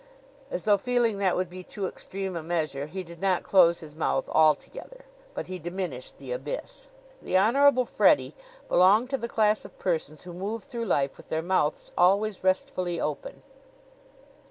As though feeling that would be too extreme a measure, he did not close his mouth altogether; but he diminished the abyss. The Honorable Freddie belonged to the class of persons who move through life with their mouths always restfully open.